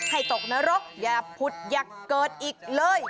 ให้ตกนรกอย่าผุดยักษ์เกิดอีกเลย